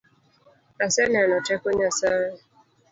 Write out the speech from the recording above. Aseneno teko Nyasaye.